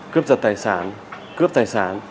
cướp giật tài sản cướp tài sản